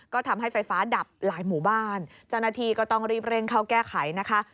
ก็ทำให้ไฟฟ้าดับหลายหมู่บ้านเจ้าหน้าที่ก็ต้องรีบเร่งเข้าแก้ไขนะคะ